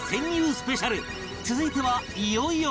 スペシャル続いてはいよいよ